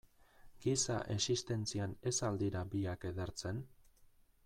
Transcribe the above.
Giza existentzian, ez al dira biak edertzen?